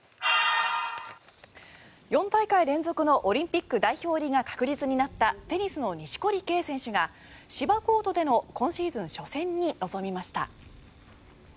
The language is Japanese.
４大会連続のオリンピック代表入りが確実になったテニスの錦織圭選手が芝コートでの今シーズン初戦に臨みました。